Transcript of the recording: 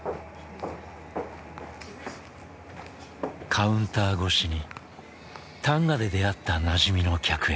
カウンター越しに旦過で出会ったなじみの客へ。